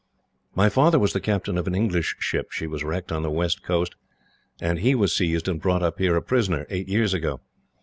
"My father was the captain of an English ship. She was wrecked on the west coast, and he was seized and brought up here a prisoner, eight years ago.